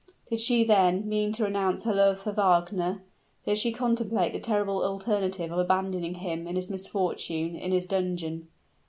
But did she, then, mean to renounce her love for Wagner? Did she contemplate the terrible alternative of abandoning him in his misfortune, in his dungeon?